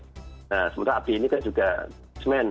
nah sebetulnya abdi ini kan juga semen